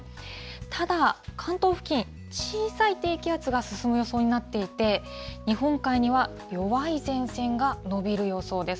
ただ、関東付近、小さい低気圧が進む予想になっていて、日本海には弱い前線が延びる予想です。